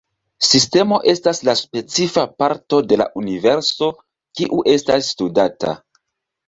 Sistemo estas la specifa parto de la universo kiu estas studata.